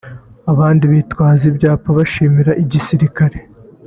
abandi bitwaje ibyapa bashimira igisirikare